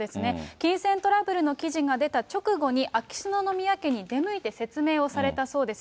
金銭トラブルの記事が出た直後に、秋篠宮家に出向いて説明をされたそうです。